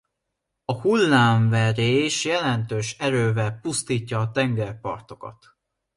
A hullámverés jelentős erővel pusztítja a tengerpartokat.